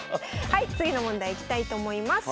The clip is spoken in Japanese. はい次の問題いきたいと思います。